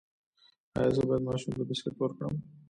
ایا زه باید ماشوم ته بسکټ ورکړم؟